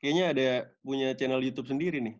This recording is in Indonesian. kayaknya ada punya channel youtube sendiri nih